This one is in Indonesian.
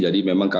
jadi memang kami